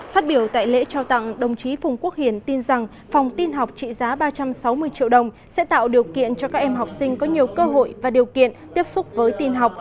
phát biểu tại lễ trao tặng đồng chí phùng quốc hiền tin rằng phòng tin học trị giá ba trăm sáu mươi triệu đồng sẽ tạo điều kiện cho các em học sinh có nhiều cơ hội và điều kiện tiếp xúc với tin học